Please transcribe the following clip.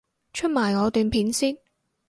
出埋我段片先